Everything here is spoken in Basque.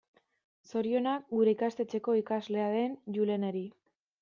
Zorionak gure ikastetxeko ikaslea den Juleneri.